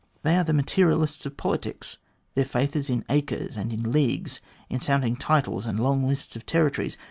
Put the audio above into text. They are the materialists of politics; their faith is in acres and in leagues, in sounding titles and long lists of territories.